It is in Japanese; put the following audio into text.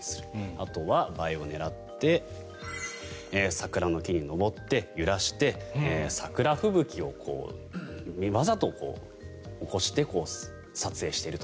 あとは映えを狙って桜の木に登って、揺らして桜吹雪をわざと起こして撮影していると。